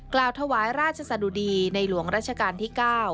กล่าวถวายราชสะดุดีในหลวงราชการที่๙